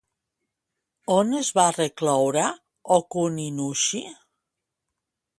On es va recloure Ōkuninushi?